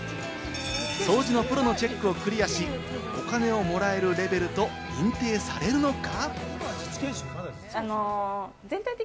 掃除のプロのチェックをクリアし、お金をもらえるレベルと認定されるのか？